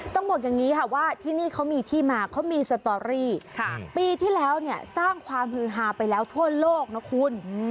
ต้องบอกอย่างนี้ค่ะว่าที่นี่เขามีที่มาเขามีสตอรี่ปีที่แล้วเนี่ยสร้างความฮือฮาไปแล้วทั่วโลกนะคุณ